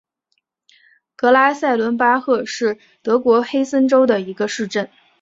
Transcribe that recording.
格拉塞伦巴赫是德国黑森州的一个市镇。